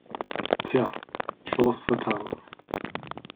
Tja, Chance vertan!